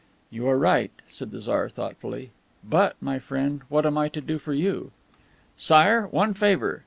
"You are right," said the Tsar thoughtfully. "But, my friend, what am I to do for you?" "Sire, one favor.